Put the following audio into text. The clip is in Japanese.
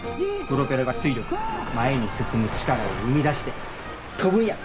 プロペラが推力前に進む力を生み出して飛ぶんや！